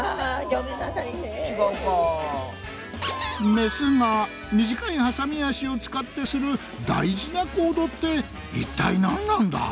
メスが短いはさみ脚を使ってする大事な行動って一体なんなんだぁ？